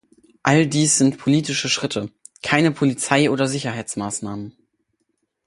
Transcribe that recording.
All dies sind politische Schritte, keine Polizeioder Sicherheitsmaßnahmen.